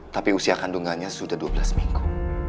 tapi usia kandungannya sudah dua belas minggu